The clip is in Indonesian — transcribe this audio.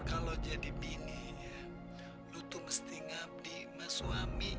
kalau jadi bini lo tuh mesti ngabdi sama suami